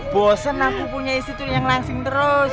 bosan aku punya istri tuh yang langsing terus